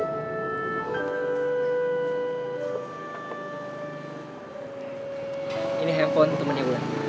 ini handphone temennya gue